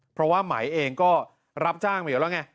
เพราะว่าไหมเองก็รับจ้างมาอยู่แล้วไง